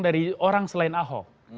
dari orang selain ahok